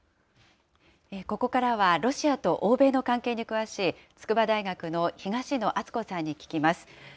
ここからはロシアと欧米の関係に詳しい、筑波大学の東野篤子さんに聞きます。